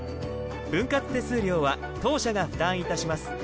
分割手数料は当社が負担いたします。